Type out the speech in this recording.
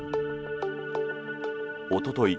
おととい